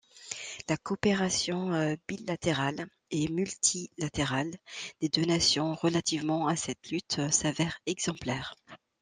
La coopération bilatérale et multilatérale des deux nations relativement à cette lutte s'avère exemplaire.